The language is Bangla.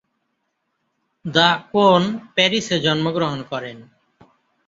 দ্য কোন প্যারিসে জন্মগ্রহণ করেন।